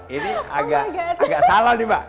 ini agak salah nih mbak